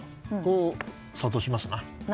こう、さとしますね。